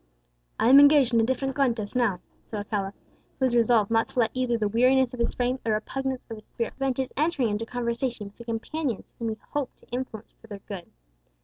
"I am engaged in a different contest now," said Alcala, who was resolved not to let either the weariness of his frame, or the repugnance of his spirit, prevent his entering into conversation with the companions whom he hoped to influence for their good.